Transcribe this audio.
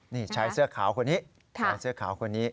นี่ใช้เสื้อขาวคนนี้